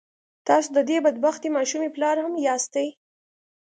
تاسو د دې بد بختې ماشومې پلار هم ياستئ.